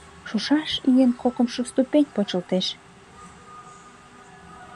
Шушаш ийын кокымшо ступень почылтеш.